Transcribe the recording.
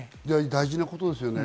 大事なことですよね。